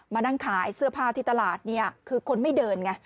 มานั่งขายเสื้อผ้าที่ตลาดเนี่ยคือคนไม่เดินไง